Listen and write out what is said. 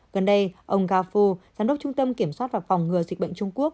gần đây ông gao fu giám đốc trung tâm kiểm soát và phòng ngừa dịch bệnh trung quốc